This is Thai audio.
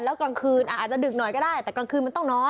แล้วกลางคืนอาจจะดึกหน่อยก็ได้แต่กลางคืนมันต้องนอน